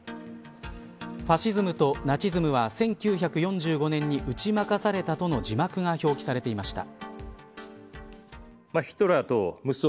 ファシズムとナチズムは１９４５年に打ち負かされたとの字幕が表記されていました。